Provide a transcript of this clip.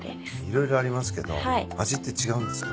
色々ありますけど味って違うんですか？